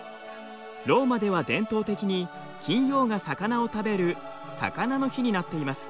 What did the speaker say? ローマでは伝統的に金曜が魚を食べる魚の日になっています。